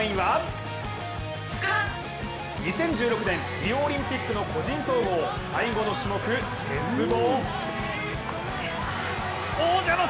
２０１６年、リオオリンピックの個人総合最後の種目、鉄棒。